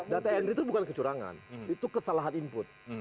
data enry itu bukan kecurangan itu kesalahan input